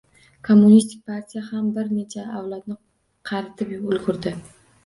Kommunistik partiya ham bir necha avlodni qaritib ulgurdi